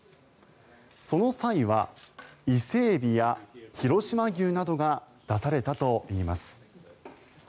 その際は伊勢エビや広島牛などが出されたといいます。